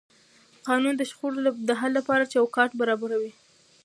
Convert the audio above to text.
قانون د شخړو د حل لپاره چوکاټ برابروي.